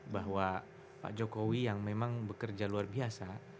bahwa pak jokowi yang memang bekerja luar biasa